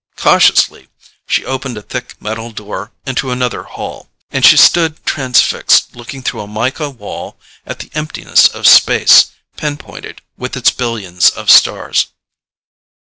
Cautiously she opened a thick, metal door into another hall and she stood transfixed, looking through a mica wall at the emptiness of space pinpointed with its billions of stars.